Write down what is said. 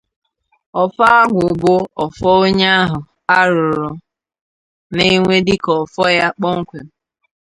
Ọfọ agwụ bụ ọfọ onye ahụ a rụụrụ na-enwe dịka ọfọ ya kpọmkwem